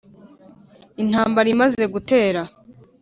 intambara imaze gutera,